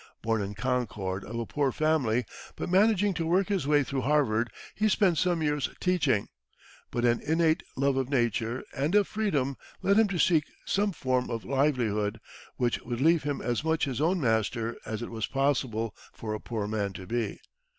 Born in Concord of a poor family, but managing to work his way through Harvard, he spent some years teaching; but an innate love of nature and of freedom led him to seek some form of livelihood which would leave him as much his own master as it was possible for a poor man to be.